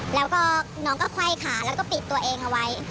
แล้วก็น้องก็ไขว้ขาแล้วก็ปิดตัวเองเอาไว้